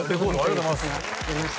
レコードありがとうございます